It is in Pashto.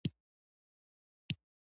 د باندې ووت.